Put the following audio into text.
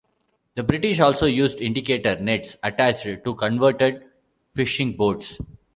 The British also used indicator nets attached to converted fishing boats.